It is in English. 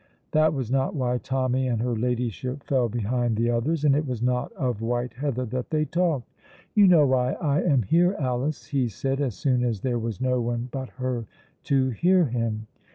That was not why Tommy and her Ladyship fell behind the others, and it was not of white heather that they talked. "You know why I am here, Alice," he said, as soon as there was no one but her to hear him.